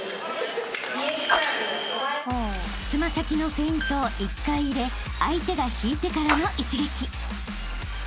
［爪先のフェイントを１回入れ相手が引いてからの一撃］